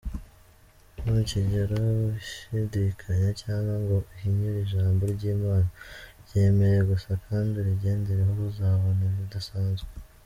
Ntukigere ushidikanya cyangwa ngo uhinyure Ijambo ry’Imana, ryemere gusa kandi urigendereho uzabona ibidasanzwe.